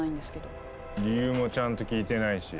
理由もちゃんと聞いてないし。